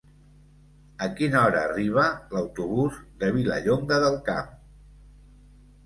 A quina hora arriba l'autobús de Vilallonga del Camp?